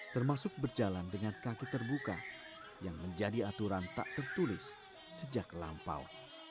termasuk berjalan dengan kaki terbuka yang menjadi aturan tak tertulis sejak lampau